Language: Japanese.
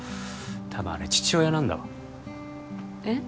多分あれ父親なんだわえっ？